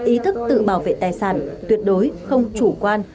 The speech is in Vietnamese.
ý thức tự bảo vệ tài sản tuyệt đối không chủ quan